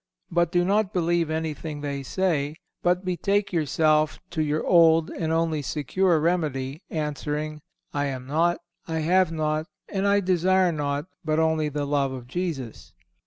But do not believe anything they say, but betake yourself to your old and only secure remedy, answering—"I am naught, I have naught, and I desire naught but only the love of Jesus."